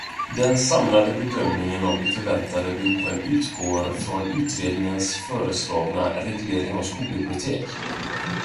Den samlade bedömningen av de förväntade behoven utgår från utredningens föreslagna regleringar om skolbibliotek.